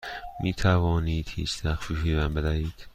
می توانید هیچ تخفیفی به من بدهید؟